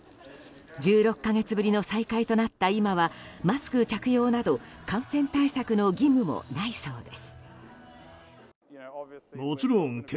１６か月ぶりの再開となった今はマスク着用など感染対策の義務もないそうです。